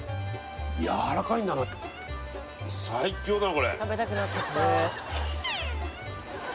やわらかいんだな最強だな